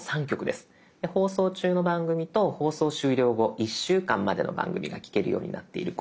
で放送中の番組と放送終了後１週間までの番組が聴けるようになっている